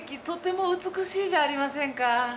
とても美しいじゃありませんか！